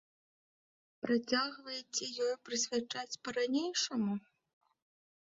Працягваеце ёй прысвячаць па-ранейшаму?